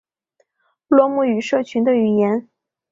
罗姆语社群的语言。